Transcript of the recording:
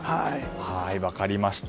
分かりました。